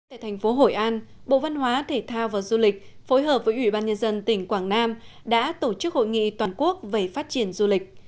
tại thành phố hội an bộ văn hóa thể thao và du lịch phối hợp với ủy ban nhân dân tỉnh quảng nam đã tổ chức hội nghị toàn quốc về phát triển du lịch